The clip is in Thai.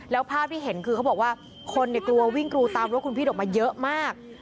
แล้วภาพที่เห็นคือเขาบอกว่าคนกลัววิ่งกรูตามรถคุณพี่ออกมาเยอะมาก